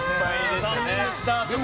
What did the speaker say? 残念でした。